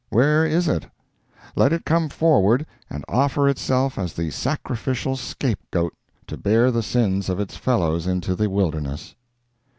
Where is it? Let it come forward and offer itself as the sacrificial scape goat to bear the sins of its fellows into the wilderness.